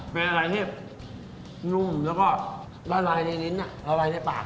เป็นอะไรที่นุ่มแล้วก็ละลายในลิ้นละลายในปาก